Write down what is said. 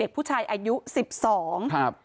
เด็กผู้ชายอายุสิบสอง